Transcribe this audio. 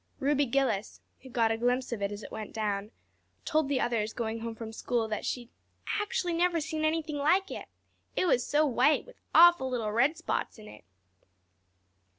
Ruby Gillis, who got a glimpse of it as it went down, told the others going home from school that she'd "acksually never seen anything like it it was so white, with awful little red spots in it."